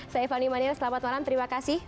saya fanny manila selamat malam terima kasih